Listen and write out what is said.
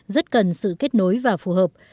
rất cần sự kết nối và phù hợp